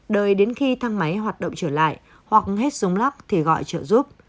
đợi đến khi thang máy hoạt động trở lại hoặc hết súng lắc thì gọi trợ giúp